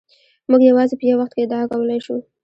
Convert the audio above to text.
موږ یوازې په یو وخت کې ادعا کولای شو.